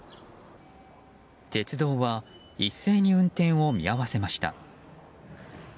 鉄道は一斉に運転を見合わせました。